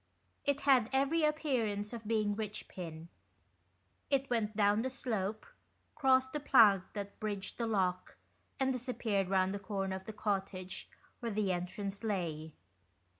It had every appearance of being Richpin. It went down the slope, crossed the plank that bridged the lock, and disappeared round the corner of the cottage, where the entrance lay.